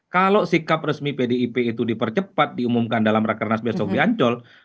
kalau sikap resmi pdip itu dipercepat diumumkan dalam rakernas besok di ancol